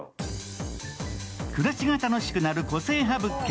暮らしが楽しくなる個性派物件。